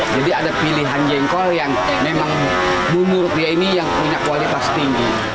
jadi ada pilihan jengkol yang memang menurut dia ini yang punya kualitas tinggi